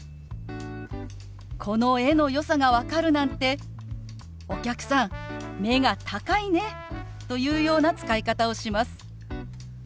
「この絵のよさが分かるなんてお客さん目が高いね」というような使い方をします。